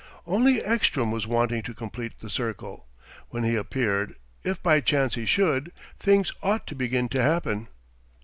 Only Ekstrom was wanting to complete the circle. When he appeared if by chance he should things ought to begin to happen.